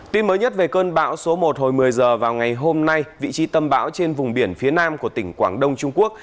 tin mới nhất về cơn bão số một hồi một mươi h vào ngày hôm nay vị trí tâm bão trên vùng biển phía nam của tỉnh quảng đông trung quốc